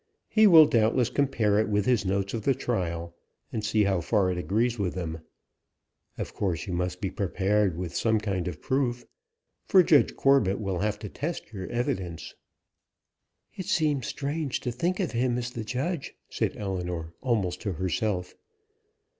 He will doubtless compare it with his notes of the trial, and see how far it agrees with them. Of course you must be prepared with some kind of proof; for Judge Corbet will have to test your evidence." "It seems strange to think of him as the judge," said Ellinor, almost to herself.